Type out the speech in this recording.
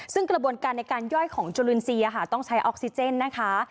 ซึ่งกระบวนการในการย่อยของจุลินทรีย์ต้องใช้ออกซิเจนนะคะ